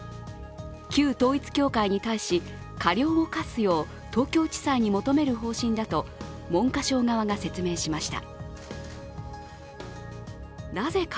旧統一教会に対し、過料を科すよう東京地裁に求める方針だと文科省側が説明しました。